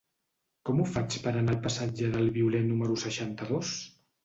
Com ho faig per anar al passatge del Violer número seixanta-dos?